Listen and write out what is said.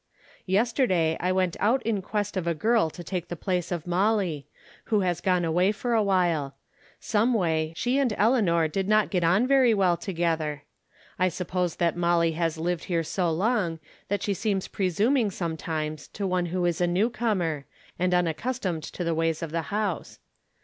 Yesterday I went out in quest of a girl to take the place of iloUy, who has gone away for a while ; some way, she and Eleanor did not get on very well 229 230 From Different Standpoints. together. I suppose that Molly has lived here.so long that she seems presuming sometimes to one "who is a new comer, ancL unaccustomed to the ways of the house.